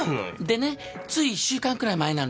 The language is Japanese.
でねつい１週間くらい前なんだけど。